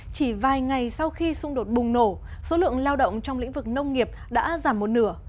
chỉ vài ngày sau khi xung đột bùng nổ số lượng lao động trong lĩnh vực nông nghiệp đã giảm một nửa